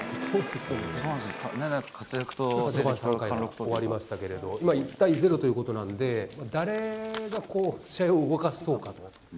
序盤３回が終わりましたけれども、今、１対０ということなんで、誰が試合を動かしそうかと。